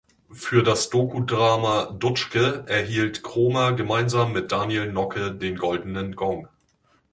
Für das Dokudrama "Dutschke" erhielt Krohmer gemeinsam mit Daniel Nocke den Goldenen Gong.